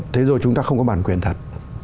thế rồi chúng ta không có bản quyền thật